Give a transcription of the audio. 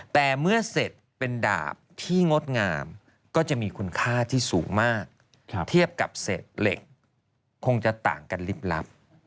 แต่เมื่อเสร็จเป็นดาบที่งดงามก็จะมีคุณค่าที่สูงมากเทียบกับเศษเหล็กคงจะต่างกันลิบลับ